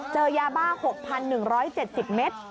เจอยาบ้า๖๑๗๐เมตร